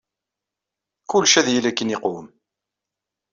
Kullec ad yili akken yeqwem.